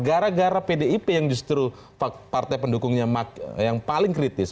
gara gara pdip yang justru partai pendukungnya yang paling kritis